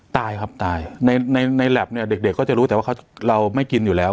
ตายครับตายในในแล็บเนี่ยเด็กก็จะรู้แต่ว่าเราไม่กินอยู่แล้ว